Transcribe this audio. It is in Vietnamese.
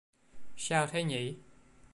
Sao thế nhỉ